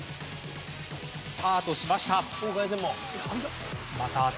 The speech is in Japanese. スタートしました。